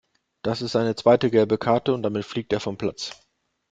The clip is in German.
Das ist seine zweite gelbe Karte und damit fliegt er vom Platz.